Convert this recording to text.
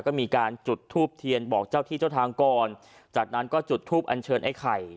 ก็มีการจุดทูบเทียนบอกเจ้าที่เจ้าทางก่อนจากนั้นก็จุดทูปอันเชิญไอ้ไข่